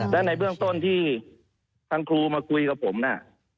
และในเบื้องต้นที่ทางครูมาคุยกับผมน่ะ